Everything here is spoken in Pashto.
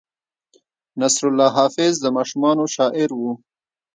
نصرالله حافظ د ماشومانو شاعر و.